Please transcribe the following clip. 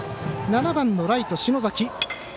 ７番のライト、篠崎。